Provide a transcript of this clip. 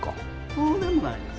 そうでもないです。